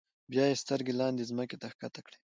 بیا یې سترګې لاندې ځمکې ته ښکته کړې.